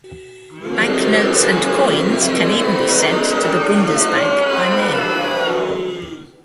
Banknotes and coins can even be sent to the Bundesbank by mail.